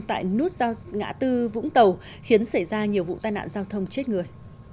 tại nút giao ngã tư vũng tàu khiến xảy ra nhiều vụ tai nạn giao thông chết người